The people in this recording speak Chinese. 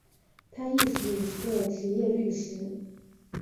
他亦是一个执业律师。